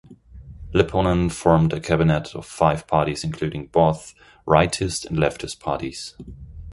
Lipponen formed a cabinet of five parties including both rightist and leftist parties.